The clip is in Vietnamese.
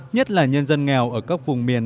nhất là nhân dân nghèo ở các vùng miền